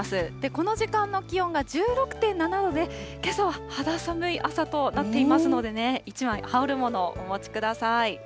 この時間の気温が１６．７度で、けさは肌寒い朝となっていますのでね、１枚羽織るものをお持ちください。